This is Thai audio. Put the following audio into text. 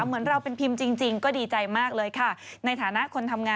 เหมือนเราเป็นพิมพ์จริงก็ดีใจกลับเลยค่ะ